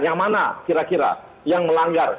yang mana kira kira yang melanggar